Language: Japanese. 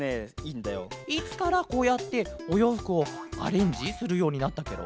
いつからこうやっておようふくをアレンジするようになったケロ？